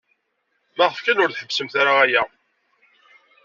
Maɣef kan ur tḥebbsemt ara aya?